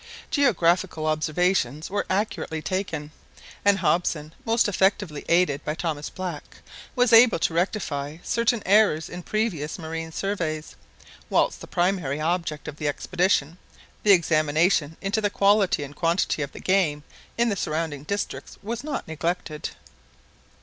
Geographical observations were accurately taken, and Hobson, most effectively aided by Thomas Black, was able to rectify certain errors in previous marine surveys; whilst the primary object of the expedition—the examination into the quality and quantity of the game in the surrounding districts was not neglected.